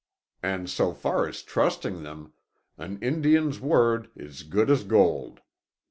And so far as trusting them, an Indian's word is good as gold.